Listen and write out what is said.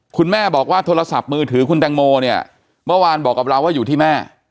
คุณแม่บอกว่าโทรศัพท์มือถือคุณแตงโมเนี่ยเมื่อวานบอกกับเราว่าอยู่ที่แม่